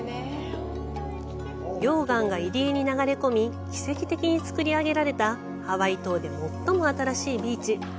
溶岩が入り江に流れ込み奇跡的につくり上げられたハワイ島で最も新しいビーチ。